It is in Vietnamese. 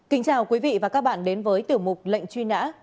kính chào quý vị và các bạn đến với tiểu mục lệnh truy nã